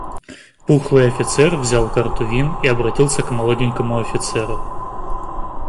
Пухлый офицер взял карту вин и обратился к молоденькому офицеру.